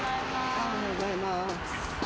おはようございます。